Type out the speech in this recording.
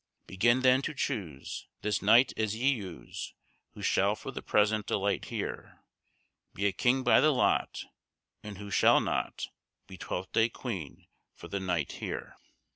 Begin then to chuse, This night as ye use, Who shall for the present delight here; Be a king by the lot, And who shall not Be Twelfth Day queene for the night heere.